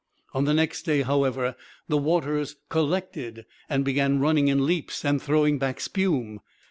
On the next day, however, the waters 'collected' and began running in leaps and throwing back spume.